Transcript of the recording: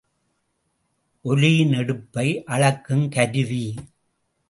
ஒலியின் எடுப்பை அளக்குங் கருவி.